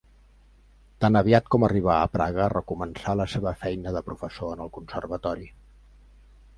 Tan aviat com arribà a Praga recomençà la seva feina de professor en el Conservatori.